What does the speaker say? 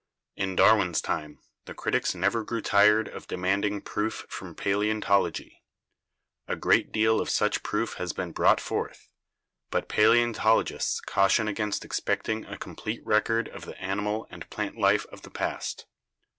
In Darwin's time the critics never grew tired of demanding proof from paleontology. A great deal of such proof has been brought forth, but paleontologists caution against expecting a complete record of the animal and plant life of the past.